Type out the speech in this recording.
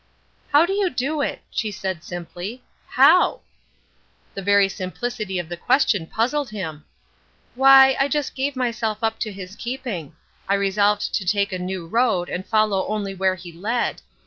"How did you do it?" she asked, simply. "How?" The very simplicity of the question puzzled him. "Why, I just gave myself up to his keeping; I resolved to take a new road and follow only where he led.